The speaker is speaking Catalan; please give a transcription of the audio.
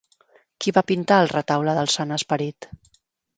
Qui va pintar el Retaule del Sant Esperit?